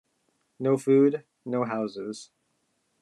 No food, no houses.